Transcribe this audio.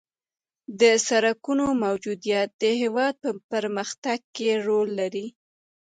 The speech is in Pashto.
د سرکونو موجودیت د هېواد په پرمختګ کې رول لري